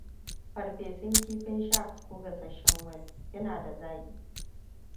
Farfesun kifin shark ko gasasshen whale? Kina da zaɓi.